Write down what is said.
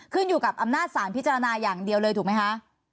ขึ้นอยู่กับอำนาจสารพิจารณาอย่างเดียวเลยถูกไหมคะ